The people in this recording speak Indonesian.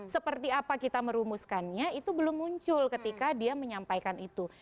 seperti apa kita merumuskannya itu belum muncul ketika dia menyampaikan itu